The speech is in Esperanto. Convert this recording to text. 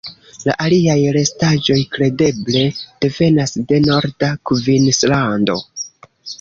La aliaj restaĵoj kredeble devenas de norda Kvinslando.